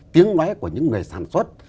tiếng nói của những người sản xuất